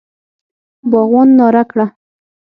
باغوان ناره کړه!